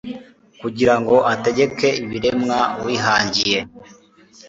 kugira ngo ategeke ibiremwa wihangiye